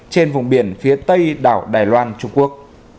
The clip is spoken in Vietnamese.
trên vùng biển phía tây đảo đài loan trung quốc